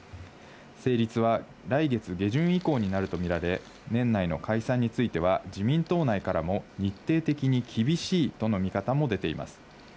成立は来月下旬以降になるとみられ、年内の解散については自民党内からも、日程的に厳しいとの見方も出ています。